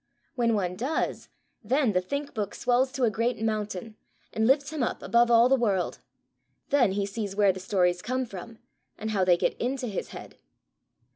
When one does, then the Think book swells to a great mountain and lifts him up above all the world: then he sees where the stories come from, and how they get into his head.